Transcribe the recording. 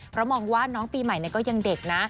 เพราะมองว่าน้องปีใหม่ก็ยังเด็กนะ